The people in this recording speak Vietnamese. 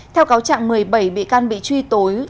theo cáo trạng một mươi bảy bị can bị truy tố